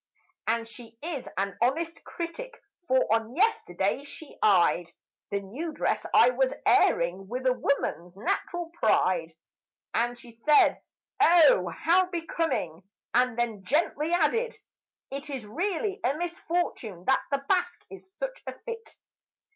And she is a careful critic; for on yesterday she eyed The new dress I was airing with a woman's natural pride, And she said, "Oh, how becoming!" and then softly added, "It Is really a misfortune that the basque is such a fit."